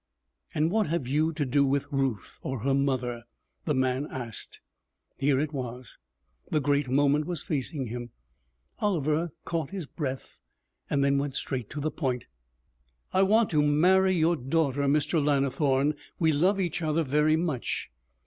'And what have you to do with Ruth, or her mother?' the man asked. Here it was! The great moment was facing him. Oliver caught his breath, then went straight to the point. 'I want to marry your daughter, Mr. Lannithorne. We love each other very much.